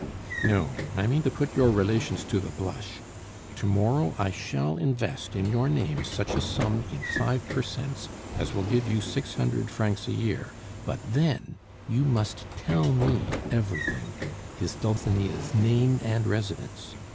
"No. I mean to put your relations to the blush. To morrow I shall invest in your name such a sum in five per cents as will give you six hundred francs a year; but then you must tell me everything his Dulcinea's name and residence.